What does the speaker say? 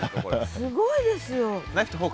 すごいですよ。